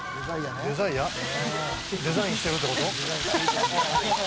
デザインしてるってこと？